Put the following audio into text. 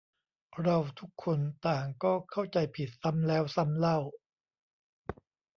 เราทุกคนต่างก็เข้าใจผิดซ้ำแล้วซ้ำเล่า